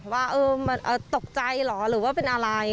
ว่ามันตกใจเหรอหรือว่าเป็นอะไร